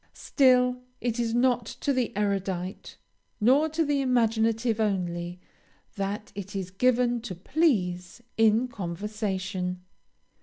Still it is not to the erudite, nor to the imaginative only, that it is given to please in conversation.